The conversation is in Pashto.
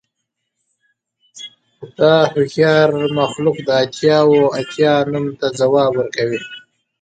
خو دا هوښیار مخلوق د اتیا اوه اتیا نوم ته ځواب ورکوي